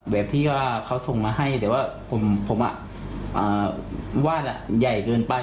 แบบที่เขาส่งมาให้เดี๋ยวผมวาดอะใหญ่เกินไป